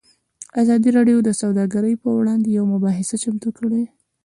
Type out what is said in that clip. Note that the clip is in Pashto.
ازادي راډیو د سوداګري پر وړاندې یوه مباحثه چمتو کړې.